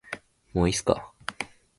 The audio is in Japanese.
もういいですか